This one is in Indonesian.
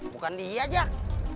bukan dia jak